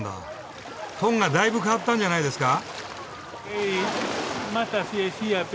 トンガだいぶ変わったんじゃないですか？